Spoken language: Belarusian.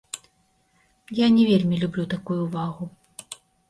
Я не вельмі люблю такую ўвагу.